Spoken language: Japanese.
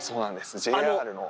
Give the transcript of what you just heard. ＪＲの。